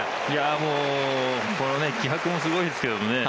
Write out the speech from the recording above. もうこの気迫もすごいですけどね